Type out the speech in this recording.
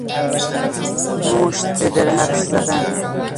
مشت بدرفش زدن